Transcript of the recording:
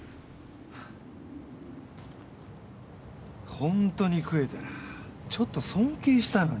ほんとに食えたらちょっと尊敬したのに。